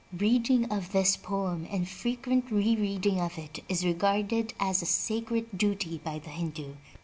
Reading of this poem and frequent re reading of it is regarded as a sacred duty by the Hindu.